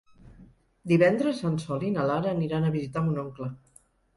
Divendres en Sol i na Lara aniran a visitar mon oncle.